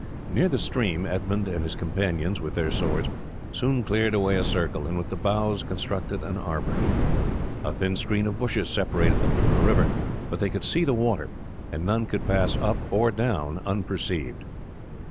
Near the stream Edmund and his companions with their swords soon cleared away a circle, and with the boughs constructed an arbour. A thin screen of bushes separated them from the river, but they could see the water, and none could pass up or down unperceived.